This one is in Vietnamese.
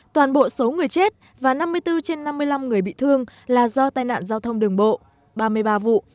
toàn bộ số người chết và năm mươi bốn trên năm mươi năm người bị thương là do tai nạn giao thông đường bộ ba mươi ba vụ